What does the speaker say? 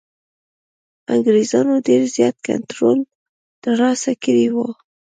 انګرېزانو ډېر زیات کنټرول ترلاسه کړی وو.